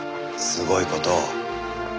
すごい事を。